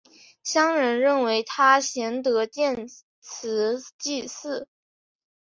乡人认为他贤德建祠祭祀。